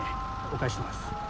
お返しします。